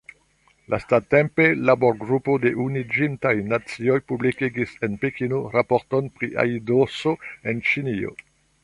Lastatempe labor-grupo de Unuiĝintaj Nacioj publikigis en Pekino raporton pri aidoso en Ĉinio.